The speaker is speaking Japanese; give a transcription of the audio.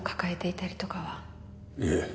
いえ。